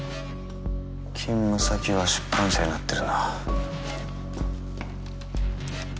勤務先は出版社になってるな。